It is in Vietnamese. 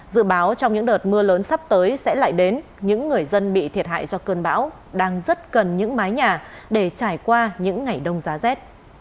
dự báo trong những đợt mưa lớn sắp tới sẽ lại đến những người dân bị thiệt hại do cơn bão đang rất cần những mái nhà để trải qua những ngày đông giá rét